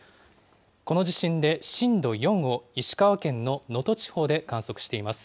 この地震で震度４を、石川県の能登地方で観測しています。